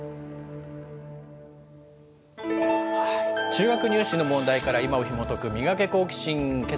中学入試の問題から今をひもとくミガケ、好奇心！。